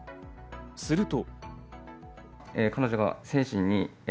すると。